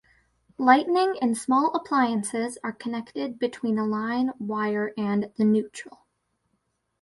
Lighting and small appliances are connected between a line wire and the neutral.